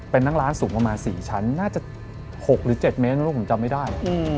เป็นนั่งร้านสูงประมาณ๔ชั้นน่าจะ๖หรือ๗เมตรลูกผมจำไม่ได้